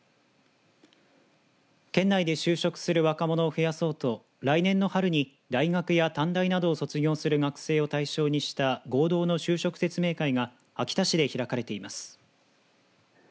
県内で就職する若者を増やそうと来年の春に大学や短大などを卒業する学生を対象にした合同の就職説明会が秋田市で開かれています。